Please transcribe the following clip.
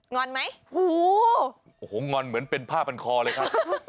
อนไหมหูโอ้โหงอนเหมือนเป็นผ้าพันคอเลยครับ